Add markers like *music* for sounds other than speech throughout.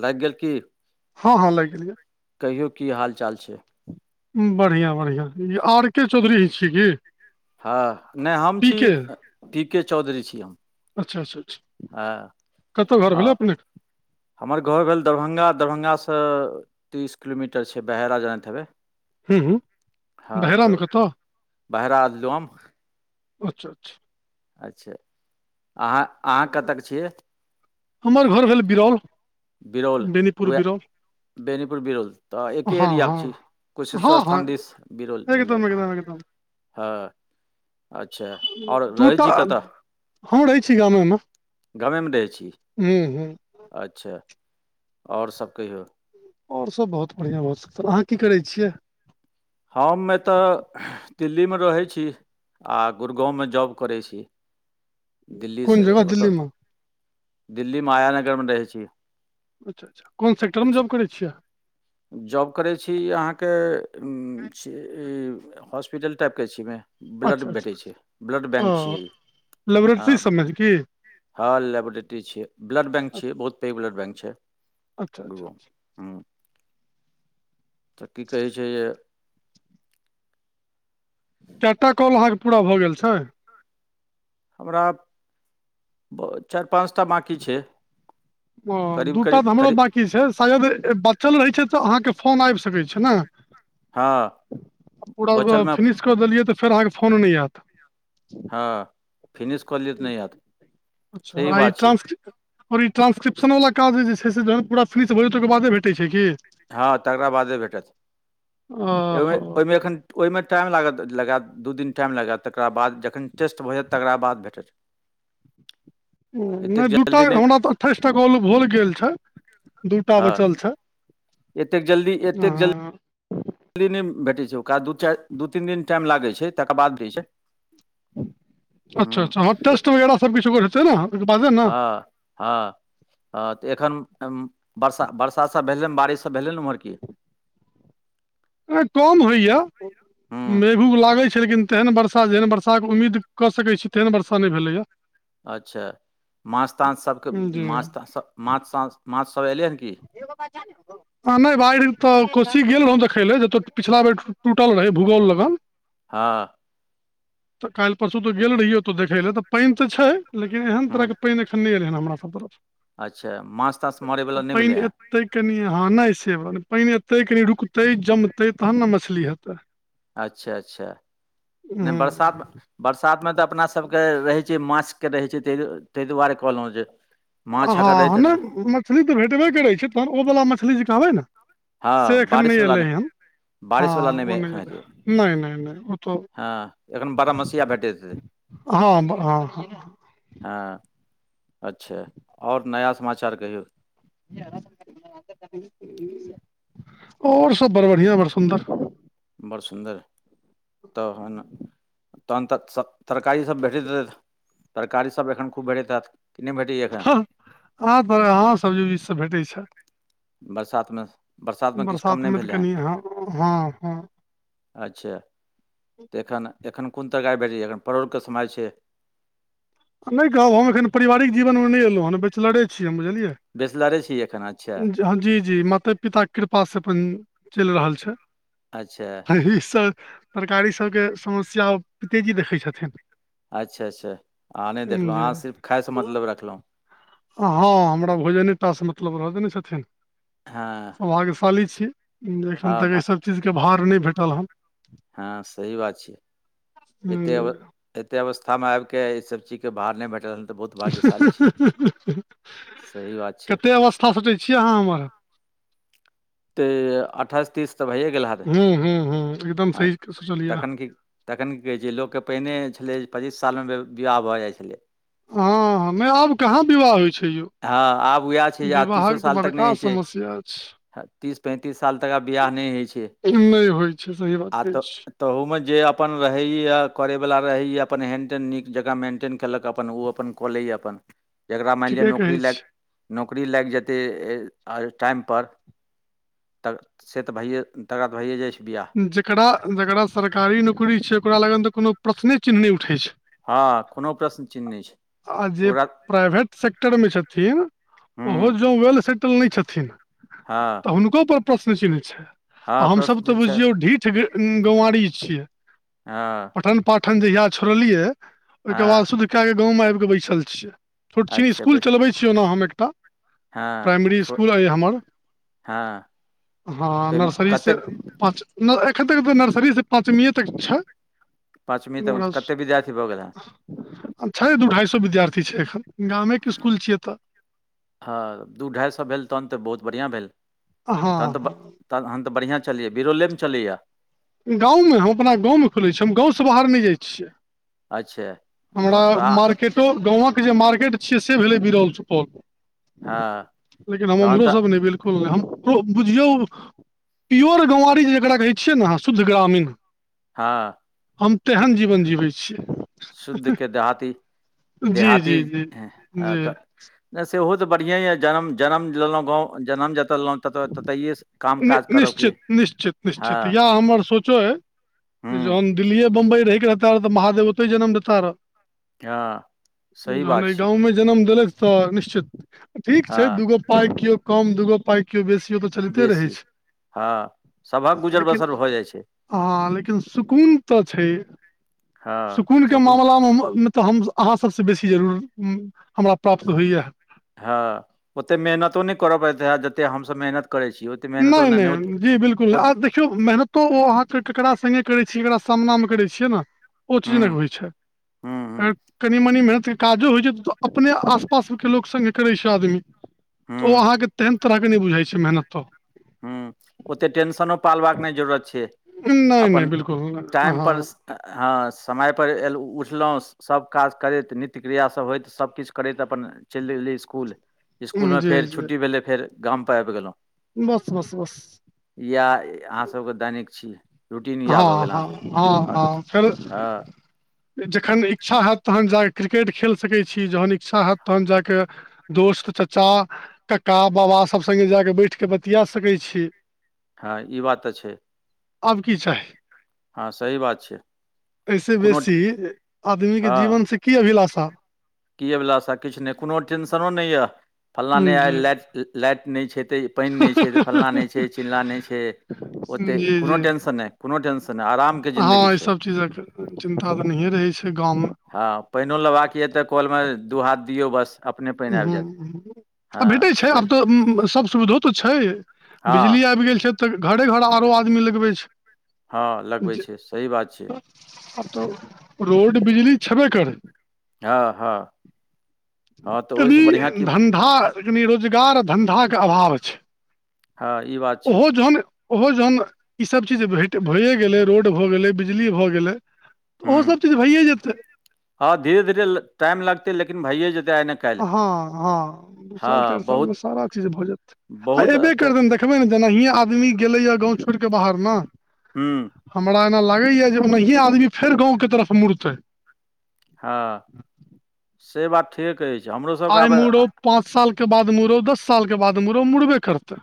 लाइग गेल की। हँ-हँ लाइग गेलै। कहियौ की हाल-चाल छैय। बढ़ियाँ- बढ़ियाँ इ आर-के चौधरी इ छी की। हँ नै हम पी छी के पी-के चौधरी छी हम। अच्छा- अच्छा ठीक। हँ आ हमर घर भेल दरभंग, दरभंगा स तीस किलोमीटर छैय बहेरा जानैत हेबै। हूँ हूँ हँ त भैरामे कतऽ बहेरा आ *unintelligible* अच्छा- अच्छा। अच्छा अहाँ- अहाँ कतय के छियै। हमर घर भेल बिरौल, बिरौल बेनीपुर उएह बिरौल। बेनीपुर बिरौल त एके हँ एरियाके हँ छी। हँ कुशेश्वर हँ स्थान दिस बिरोल भेलै। एकदम एकदम एकदम ह। दूटा छी कतऽ हम रहै छी गामे मे गामेमे रहै छी हुं- हुं। अच्छा और सब कहियौ। और सब बहुत बढ़ियाँ बहुत सुंदर, अहाँ की करै छियै। हम एतऽ दिल्लीमे रहै छी। आ गुरगाँवमे जॉब करैत छी। कोन दिल्लीसँ जगह ओतय दिल्लीमे दिल्ली मायानगरमे रहै छी। अच्छा अच्छा कौन सेक्टरमे अच्छा जॉब करै छियै आहा? जॉब करै छी अहाँके ई हॉस्पिटल टाइपके छियमे। ब्लड अच्छा अच्छा भेटै छै, ब्लड बैंक छी, ओ हँ। लेबोरेटरी सबमे की हँ लेबोरेटरी छियै, ब्लड बैंक छियै, बहुत पैघ ब्लड बैंक छै। अच्छा अच्छा ओ ह्म्म तऽ की कहै छै जे चारिटा कॉल अहाँके पूरा भऽ गेल छै? हमरा ब चारि पाँच टा बाँकी छै। ओ करीब दू टा करीब तऽ हमरो करीब बाँकी छै, शायद बचल रहै छै तऽ अहाँके फोन आबि सकै छै ने? हँ पूरा बचलमे फिनिश कय देलिये तऽ आहाके फोन नय आयत। हँ, फिनिश कऽ लिये तऽ नहि आयत, सही बात छै। ओर ई ट्रंस्क्रिप्शन वला काज जे छै से जहन पूरा फिनिश भऽ जेतय ओकर बादे भेटै छै कि? हँ तकरा बादे भेटत, ओ ओहो ओहिमे एखन ओहिमे टाइम लागत लगायत। दु दिन टाइम लगेत, तकरा बाद जखन टेस्ट भऽ जायत तकरा बाद भेटत। एतेक नहि दू टा जल्दी नहि हमरा तऽ अठाइस टा कॉल भल गेल छै। दूटा हँ बचल छै आ। दिली नहि भेटैत छै ओकरा दू चारि दू तीन दिन टाइम लागैत छै तकर बाद दै छै। *unintelligible* अच्छा हूँ अच्छा हँ टेस्ट वगैर सभ किछुग ह होतै ने ओहिके बादे नऽ। हँ हँ हँ तऽ एखन बरसा बरसा सब भेलै बारिश सब भेलै ने ओम्हर की? कम होइया। हूँ मेघू लागे छै लेकिन तेहन वर्षा जेहन बर्षा के उम्मीद क सकैत छी तेहन वर्षा नय भेले या। अच्छा माछ ताछसभके जी माछ तसभ माछ त माछसभ अयलै हन कि? *inaudible* आ नहि बाढ़ि तऽ कोशी गेल रहौ देखय ले जतौ पिछला बेर टूटल रहे भूगोल लग। हँ। तऽ काल्हि परसू तऽ गेल रहिये ओतय देखे ले तऽ पानि तऽ छै। लेकिन एहन हूँ तरहके पानि एखन नहिैन हमरासभ तरफ। अच्छा माछ ताछ तऽ मारयवला नहि भेलै पानि हँ एते कनि हँ नहि सेबात पानि एतै, कनि रुकतै, जमतै, तहन ने मछली हेतै। अच्छा अच्छा नहि हूँ बरसातमे बरसातमे तऽ अपना सभके रहै छै माछ के रहै छै ता ताहि दुआरे कहलहुँ जे माछ अगर रहैत हँ हेतै तऽ नहि मछली तऽ भेटबे करैत छै तहन ओवला मछली जे कहबै ने से हँ एखन नहि बारिशवला एयलै हन। हँ बारिशवला ओ एखन नहि एले हेतै हन, नहि नहि नहि ओ तऽ हँ एखन बारहमसिया भेटैत हेतै हँ ह। हँ अच्छा आओर नया समाचार कहियौ? आओर सब बड़ बढ़िआं बड़ सुन्दर। बड़ सुन्दर तहन तहन तऽ तरकारीसभ भेटैत हेतै। तरकारी सब एखन खूब भेटैत हैत कि नहि भेटैया एखन? आँ हँ सब्जी उबजीसब भेटै छै। बरसातमे - - बरसातमे तऽ कनि अहाँ हँ -हँ अच्छा तऽ एखन- एखन कोन तरकार आ भेटै जाएया एखन परोर के समय छै। नहि कहब हम एखन पारिवारिक जीवनमे नहि एलहुँ हँ बैचलरे छी हम बुझलियै। बेचलरे छीयै एखन अच्छा- - ज- जी -जी माते पिताके कृपासँ अपन चलि रहल छै अच्छा ई सब- - तरकारी सबके समस्या ओ तेजी देखै छथिन। अच्छा- अच्छा अहाँ नहि देखलहुँ जी अहाँ सिर्फ खायसँ मतलब रखलहुँ- - हँ- हँ- ह हमरा भोजने टा स मतलब रखने छथिन। हँ- - भाग्यशाली छी एखन तक एहिसभ चीजके भार नहि भेटल हँ- - हँ से- - कि बात छिई। एते जी। अ एते अवस्था मे आबिक के ई सब चीज के भार नहि भेटल नेय तऽ बहुत- - सही बात छै कते अवस्था सचै छियै अहाँ हमर- - *unintelligible* ते अठाइस तीस तऽ भइए गेल हैत हूँ हूँ हूँ एकदम अ सही सोचलियै तखेन की- - तखन की कहै छै लोककेँ पहिने छलै पच्चीस सालमे विवाह भऽ जाइत छलैइ। हँ, मे आब कहाँ विवाह होइ छै यौ- - हँ आब उएह छै जे आ तीसो साल तक नहि बड़का होइ समस्या छै। तीस पैंतीस साल तक आ बियाह नहि होइ छै, नहि होइ छै सही बात आब कहै तऽ छी तहूमे जे अपन रहैएए करैवला रहैया अपन हेंड तटेड नीक जकाँ मेन्टेन केलक अपन ओ अपन- - क ले अपन जेकरा मानि ल ठीके न- - कहै नौकरी लागि जेतै ए टाइमपर- - तऽ से तऽ भइयए तकरा तऽ भैए जाइ छै बिआह- - छी जेकरा- जेकरा सरकारी नौकरी छै, ओकरा लग तऽ कोनो प्रश्ने चिन्ह नहि उठै छै। हँ कोनो प्रश्न चिन्ह नहि छै आ जे ओकरा- - प्राइवेट सेक्टरमे छथिन ओहो हूँ जँ वेल सेटल नहि छथिन। हँ तऽ हुनकोपर प्रश्न चिन्ह छै। हँ, प्रश्न चिन्ह छै। ओ ढीठ गवारी छियै। हँ- - पठन पाठन जहिया छोड़लियै ओहिके हँ बाद शुद्ध कए क गाँवमे आबिकऽ बैसल छियै। छोट छिन अच्छा स्कुल बैस चलबैत छी ओना हम एकटा हँ प्राइमरी छो स्कुल अइ हमर- - हँ- - हँ नर्सरीसँ पाँच न एखन तक तऽ नर्सरीसँ पाँचमीए तक छै। पाँचमी तक मरस कतेक विद्यार्थी भऽ गेल हँ छै, दू ढ़ाइ सए विद्यार्थी छै एखन- - गामेके स्कूल छियै तऽ- - हँ दू ढाइ सए भेल तहन तऽ बहुत बढ़िआँ भेल हँ तहन तऽ ब- हँ - तहन तऽ बढ़िआँ चलैए बिरलेमे चलैयए- - गाँवमे हम अपना गाँवमे खुलै छी, हम गाँवसँ बाहर नहि जाइ छियै। अच्छा- - हमरा मार्केटो गामवक जे मार्केट छियै से भेलै, बिरौल सुपौल - हँ - लेकिन हम तहन उमरो तऽ सब नहि बिलकुल नहि हम बुझियौ- - प्योर गौवारी जे जकरा कहै छियै ने अहाँ शुद्ध ग्रामीण- - हँ हम तेहन जीवन जिबै छियै। शुद्ध के जी देहाती-देहाती जी जी एं जी तऽ नहि सेहो तऽ बढ़िएँ यऽ जनम-जनम लेलहुँ गाँव, जनम जतय लेलहुँ तत ततहिए स नि निश्चित-निश्चित-निश्चित हँ इएह हमर सोचो एय हूँ जहन दिल्लीे बम्बई रहिके रहता र त, महादेव ओतय जनम देता र। हँ सही जहन बात अय छै गाँवमे जनम देलैथ तऽ निश्चित ठीक छै हँ दूगो पाइ कियो कम, दूगो पाइ कियो बेसी, ओ तऽ छ बेसी, हँ सभक गुजर लेकिन बसर भऽ जाइ छै। हँ लेकिन सुकून तऽ छै, हँ सुकून के सकून मामला मे हमर न तऽ हम अहाँ सबसँ बेसी जरूर, म हमरा प्राप्त होइए। हँ ओते मेहनतो नहि करऽ परैत हैत, जते हमसब मेहनत करै छी ओ ओतेक मेहनतो नहि नहि नहि-नहि जी बिलकुल आ देखियौ मेहनत तो ओ अहाँ के केकरा संगे करै छियै ककरा सामना मे करै छियै न ओ चीज नहि हूँ होइ छै, हुं हुं ए कनि मनी मेहनत के काजो होइ छै, त अपने आस-पास के लोक संगे करई छै आदमी, त ओ हुं अहां के तेहेन तरह के नहि बुझाइ छै मेहनतो। हम्म ओते टेंशनो पालबाक नहि जरूरत छै। नहि-नहि अपन बिलकुल नहि टाइम अह पर ह। स- हँ समय पर एल उठलौस सब काज करैत, नित्य क्रियासब होइत सबकिछ करैत, अपन चिईल देलियै स्कुल। स्कुल मे जी फेर जी छुट्टी भेलै, फेर गामपर आबि गेलहुँ। बस- बस -बस या अहाँसबके दैनिक छी। रूटीन इएह भऽ गेल अहाँ सब हँ हँ-हँ-हँ-हँ फेर हँ जखन इच्छा हैत तहन जा क क्रिकेट खेल सकै छी, जहन इच्छा हैत तहन जा के दोस्त, चाचा, कक्का, बाबा सब संग्गे जा क बैठ के बतिया सकै छी। हँ ई बात तऽ छै। आब की चाही, हँ सही बात छै एहि से कोनो बेसी आदमी के जीवन से की अभिलाषा कि अभिलाषा किछ नहि, कोनो टेंशनो नहि यऽ, फल्लाँ नहि जी आयल लाइट-लाइट नहि छै तैं पानि नहि छै, त फलाँ नहि छै, चिल्लाँ नहि छै, ओते जी जी कोनो टेन्शन नहि। कोनो टेन्शन नहि आराम के जिन्दगी हँ ई छै। सब चीजक चिन्ता तऽ नहिए रहै छै गाँवमे। हँ पानिओ लेबाक य त कोल मे दू हाथ दियौ बस अपने पानि आबि जायत हम्म आ भेटै हँ छै आब सही तऽ सब सुविधो तऽ छै। बिजली हँ आबि गेल छै, त घरे घर आरो आदमी लगबै छै। हँ लगबै जे छै, सही बात छै। आब त रोड बिजली छेबे करै। हँ-हँ तनि की धन्धा, कनि रोजगार आ धन्धाके अभाव छै। हँ ई बात छै ओहो जहन ओहो जहन ई सब चीज भेट भइए गेलै, रोड भऽ गेलै, बिजली भऽ गेलै, त हूँ ओहो सब चीज भइए जेतै। हँ धीरे धीरे टाइम लगतै लेकिन भैये जेते आइ ने काल्हि हँ हँ दू साल हँ चारि साल मे बहुत सारा चीज भऽ जेतै आ बहुत हेबे तऽ करतैन। देखबै ने जेनाहिए आदमी गेलैए गाँव छोड़ि कऽ बाहर ने हुं। हमरा एना लागैए जे ओनाहिये आदमी फेर गाँंव के तरफ मुड़तै। हँ से बात ठीके कहै छियै, हमरोसभके आइ आब मुड़ौ पाँच सालके बाद मुड़ौ दस सालके बाद मुड़ौ, मुरबे करतै।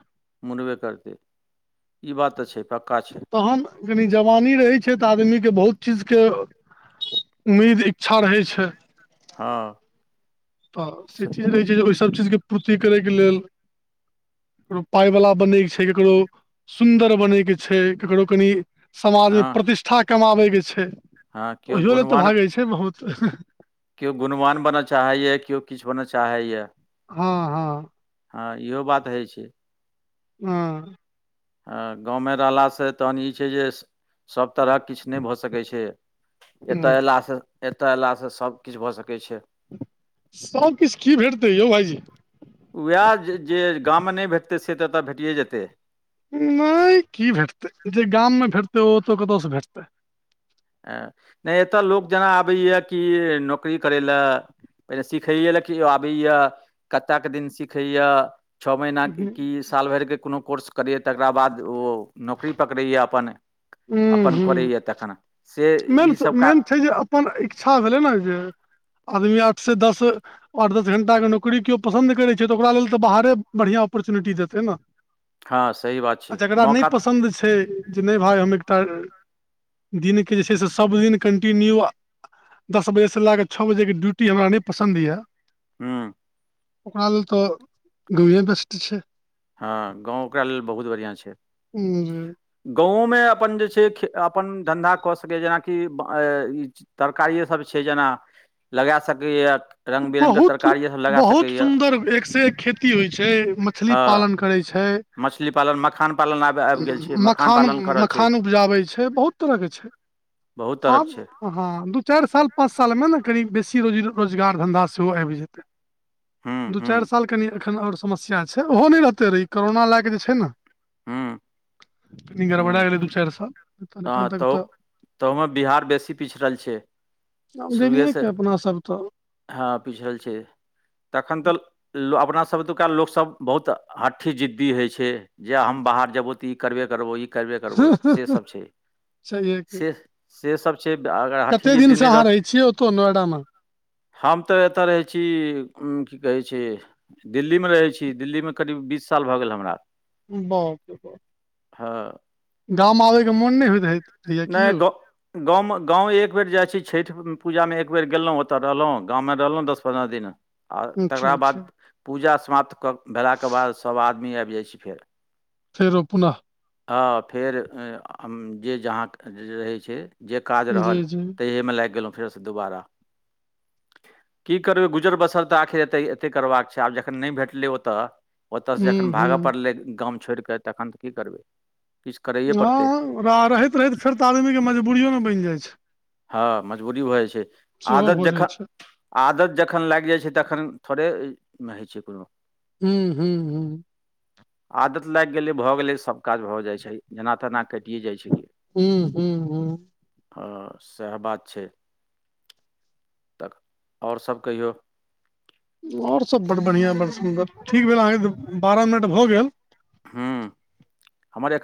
मुड़बे करतै ई बात तऽ छै, पक्का छै। तखन कनी जवानी रहै छै तऽ आदमीके बहुत चीजके उम्मीद इच्छा रहै छै। हँ। तऽ से चीज रहैत छै जे ओहिसभ चीजके पूर्ति करैके लेल ककरो पाय वला बनै के छै, ककरो सुन्दर बनै के छै ककरो कनि समाज मे हँ प्रतिष्ठा कमाबै के छै, हँ केओ त हियो ल तऽ गुणवान भागै छै बहुत। केओ गुणवान बनऽ चाहैए केओ किछु बनऽ चाहैए। हँ हँ। हँ इहो बात होइ छै। हँ। गाँवमे रहलासँ तखन ई छै जे सभ तरहक किछु नहि भऽ सकै छै। एतऽ हँ अयलासँ, एतऽ अयलासँ सभकिछु भऽ सकै छै। सबकिछु की भेटतै यौ भाईजी। वैह जे गाममे नहि भेटतै से तऽ एतय भेटिए जेतै। नहि की भेटतै, जे गाम मे भेटतै ओ ओतऽ कतय से भेटतै। एँ नहि एतय लोक जेना आबैए कि नौकरी करय ले पहिले सिखैेये ले आबैये, कतेक दिन सिखये छओ महीना हूँ की साल भरिके कोनो कोर्स करैए तकरा बाद ओ नौकरी पकड़ैए अपन। हूँ अपन हूँ। करैये तखन से मेन ईसभ मेन काज छै जे अपन इच्छा भेलै ने जे आदमी आठ से दस आठ दस घंटाके नौकरी केओ पसन्द करैत छै तऽ ओकरा लेल तऽ बाहरे बढ़िआँ ऑपर्चुनिटी देतै ने हँ सही बात आ छै जकरा नहि मौका पसन्द छै जे नहि भाय हम एकटा दिनके जे छै से सभदिन कन्टिन्यू दस बजेसँ लए कऽ छओ बजेके ड्यूटी हमरा नहि पसन्द ये हुं। ओकरा लेल तो गाँवे बेस्ट छै। हँ गाँव ओकरा लेल बहुत बढ़िआँ छै। उं जे गाँवोमे अपन जे छै अपन धन्धा कऽ सवैये, जेनाकि ई तरकारिए सभ छै जेना, लगा सकैए रङ्ग बिरङ्गके बहुत, तरकारिए सभ लगा बहुत सकैए सुन्दर एक से एक खेती होइ छै मछली हँ पालन करै छै मछली पालन मखान पालन आब आबि गेल छै मखान, पालन करल छै मखान उपजाबै छै, बहुत तरह के छै बहुत आब तरहके छै। हँ दू चारि साल पाँच सालमे ने कनि बेसी रोज रोजगार धन्धा सेहो आबि जेतै। हूँ दू चारि हूँ साल कनि एखन आओर समस्या छै, ओहो नहि रहतै रहै, कोरोना लए कऽ जे छै ने हुं। कनी गड़बड़ा गेलै दु-चार साल तहन हँ एखन तक ते तऽ ओय मे बिहार बेसी पिछड़ल छै। आब जैनिये के अपना सब तऽ हां पिछड़ल छै, तखन तऽ ल अपना आ सब ओतोका लोक सब बहुत हठी जिद्दी हय छै जे हम बाहर जेबो तऽ ई करबे करबो, ई करबे करबो से सब छै, छैहे कि से से सब छै अगर हठी कते दिन जिद्दी से नै अहाँ रह रहै छियै ओतौ नोएडा मे हम तऽ एतऽ रहै छी उम्म की कहै छै दिल्ली मे रहै छी, दिल्ली मे करीब बीस साल भऽ गेल हमरा। बाप रे। बाप हां। गाम आबै के मोन नै होएत रहैत। नै गो गाम मे गांव एक बेर जाय छी छैठ उम्म पूजा मे एक बेर गेलौ ओता रहलौ, गांव मे रहलौ दस-पन्द्रअ दिन। और अच्छा तकरा अच्छा बाद पूजा समाप्त कऽ भेला के बाद सब आदमी आएब जाय छी फेर। फेर अपना हां फेर ए आ जे जहाँ रहै छै। जे काज रहल जी जी तैये मे लाग गेलौ फेर से दुबारा। की करबै गुजर-बसर तऽ आखिर एतै, एतै करबाक छै आब जखन नै भेटलै ओता। ओता से जखन हूँ भागै हूँ पड़लै गाम छोड़ कऽ तखन तऽ की करबै। किछु करैए पड़तै हां रा रहैत-रहैत फेर तऽ आदमी के मजबूरियो नै बैन जाय छै। हां मजबूरी भऽ जाय छै, सेहो आदत भऽ जख जाइ छै आदत जखन लाग जाय छै तखन थोड़े इ मे हय छै कुनू। हुं-हुं। आदत लाग गेलै भऽ गेलै, सब काज भऽ जाय छै। जना-तना कटिये जाय छै की। हूं हूं हूं आ साएह बात छै तऽ और सब कहियौ। और सब बड़ बढ़ियाँ, बड़ सुन्दर ठीक भेल अहाँ के बारअ मिनट भऽ गेल। हुं हमर एक